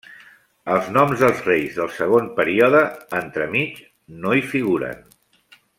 Els noms dels reis del segon període entremig no hi figuren.